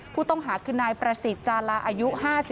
ผู้ต้องหาคือนายประสิทธิ์จาลาอายุ๕๓